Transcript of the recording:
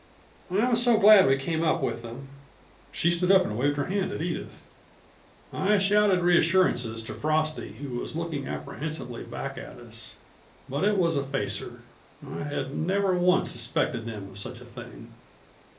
I'm so glad we came up with them." She stood up and waved her hand at Edith. I shouted reassurances to Frosty, who was looking apprehensively back at us. But it was a facer. I had never once suspected them of such a thing.